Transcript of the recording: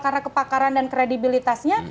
karena kepakaran dan kredibilitasnya